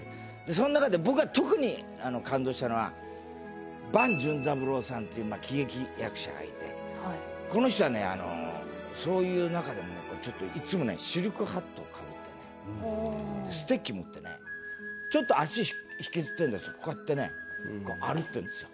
その中で僕が特に感動したのは伴淳三郎さんっていう喜劇役者がいてこの人はねそういう中でもねちょっといつもねシルクハットをかぶってねステッキ持ってねちょっと足引きずってるんですよ。こうやってね歩いてるんですよ。